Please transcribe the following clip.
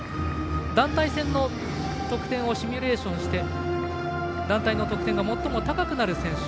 団体戦の得点をシミュレーションして団体の得点が最も高くなる選手。